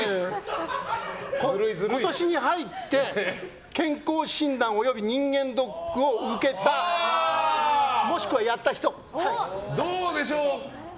今年に入って健康診断および人間ドッグを受けた、もしくはやった人。